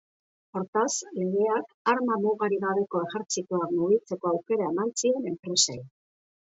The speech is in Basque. Hortaz, legeak arma-mugarik gabeko ejertzitoak mugitzeko aukera eman zien enpresei.